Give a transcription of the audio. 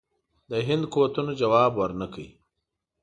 د هند قوتونو جواب ورنه کړ.